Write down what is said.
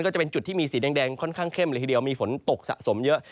ก็จะเป็นจุดที่มีสีแดงค่อนข้างเข้มเลยทีเดียวมีฝนตกสะสมเยอะ